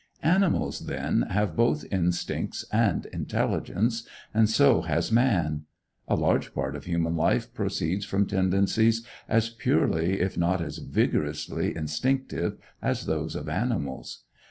Animals, then, have both instincts and intelligence; and so has man. A large part of human life proceeds from tendencies as purely, if not as vigorously, instinctive as those of animals.